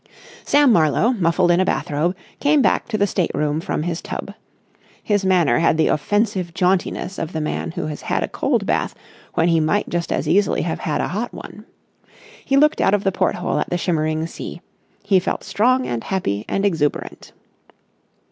Samuel Marlowe, muffled in a bathrobe, came back to the state room from his tub. His manner had the offensive jauntiness of the man who has had a cold bath when he might just as easily have had a hot one. He looked out of the porthole at the shimmering sea. He felt strong and happy and exuberant.